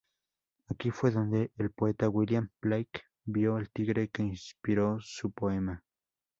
Aquí fue donde el poeta William Blake vio al tigre que inspiró su poema.